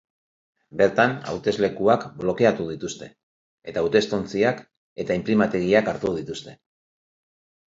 Bertan hauteslekuak blokeatu dituzte, eta hautestontziak eta inprimategiak hartu dituzte.